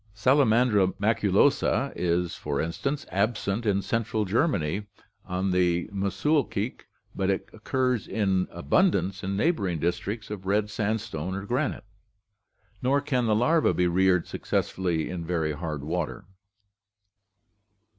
Salamandra maculosa is, for in stance, absent in Central Germany on the Muschelkalk, but it occurs in abundance in neighboring districts of red sandstone or granite; nor can the larvae be reared successfully in very 'hard* water" (Gadow).